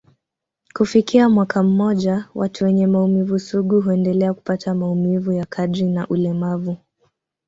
Kufikia mwaka mmoja, watu wenye maumivu sugu huendelea kupata maumivu ya kadri na ulemavu.